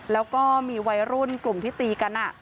แล้วก็มีวัยรุ่นกลุ่มที่ตีกัน